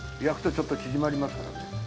焼くとちょっと縮まりますからね。